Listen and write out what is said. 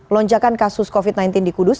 lonjakan kasus covid sembilan belas di kudus